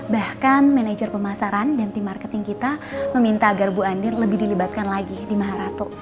bahkan manajer pemasaran dan tim marketing kita meminta agar bu andir lebih dilibatkan lagi di maharato